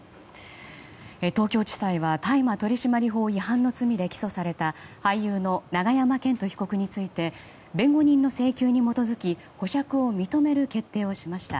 東京地裁は大麻取締法違反の罪で起訴された俳優の永山絢斗被告について弁護人の請求に基づき保釈を認める決定をしました。